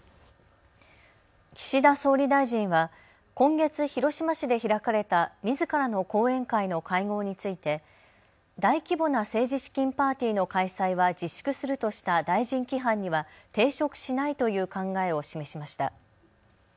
岸田総理大臣は今月、広島市で開かれたみずからの後援会の会合について大規模な政治資金パーティーの開催は自粛するとした大臣規範には抵触しないという考えを示しました。